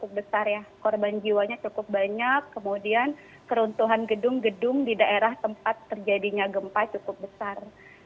cukup besar ya korban jiwanya cukup banyak kemudian keruntuhan gedung gedung di daerah tempat terjadinya gempa cukup besar